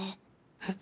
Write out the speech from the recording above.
えっ？